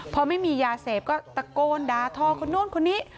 พอไม่มียาเสพก็ตะโกนด่าทอคนนู้นคนนี้